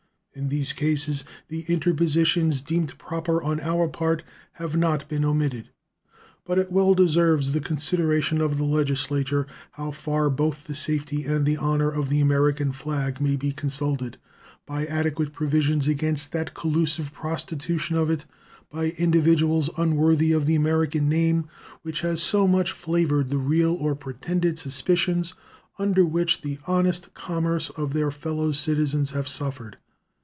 In these cases the interpositions deemed proper on our part have not been omitted. But it well deserves the consideration of the Legislature how far both the safety and the honor of the American flag may be consulted, by adequate provisions against that collusive prostitution of it by individuals unworthy of the American name which has so much flavored the real or pretended suspicions under which the honest commerce of their fellow citizens has suffered.